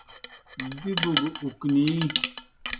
دِبوْ گہ اُکنِی۔